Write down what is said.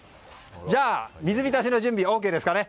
水浸しの準備ＯＫですかね。